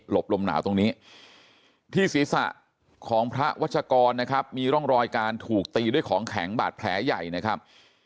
บลมหนาวตรงนี้ที่ศีรษะของพระวัชกรนะครับมีร่องรอยการถูกตีด้วยของแข็งบาดแผลใหญ่นะครับ